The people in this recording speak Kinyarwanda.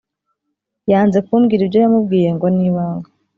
yanze kumbwira ibyo yamubwiye ngo ni ibanga